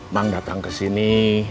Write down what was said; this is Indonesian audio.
mang datang kesini